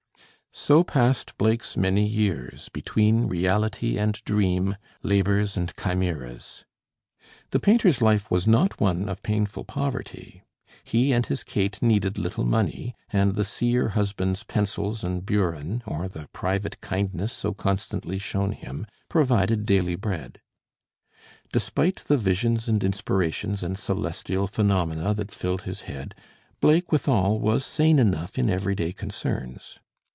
So passed Blake's many years, between reality and dream, labors and chimeras. The painter's life was not one of painful poverty. He and his Kate needed little money; and the seer husband's pencils and burin, or the private kindness so constantly shown him, provided daily bread. Despite the visions and inspirations and celestial phenomena that filled his head, Blake withal was sane enough in everyday concerns.